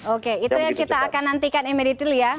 oke itu yang kita akan nantikan immeditill ya